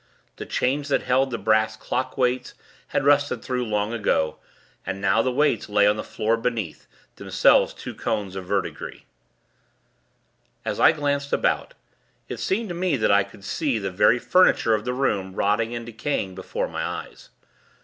The chains that held the brass clock weights, had rusted through long ago, and now the weights lay on the floor beneath; themselves two cones of verdigris. As I glanced about, it seemed to me that I could see the very furniture of the room rotting and decaying before my eyes.